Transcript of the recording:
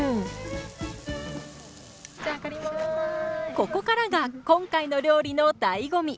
ここからが今回の料理のだいご味。